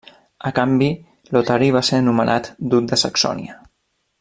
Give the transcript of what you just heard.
A canvi, Lotari va ser nomenat Duc de Saxònia.